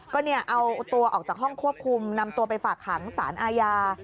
ก็เอาตัวออกจากห้องควบคุมนำตัวไปฝากขังสารอาญา